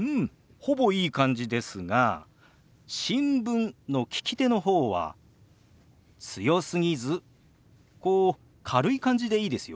ほぼいい感じですが「新聞」の利き手の方は強すぎずこう軽い感じでいいですよ。